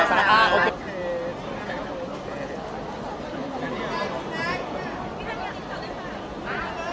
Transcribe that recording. สวัสดีครับ